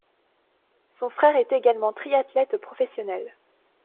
Son frère est également triathlète professionnel.